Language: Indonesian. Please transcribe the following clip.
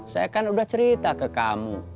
saya kan udah cerita ke kamu